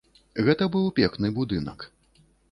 Гэта быў пекны будынак.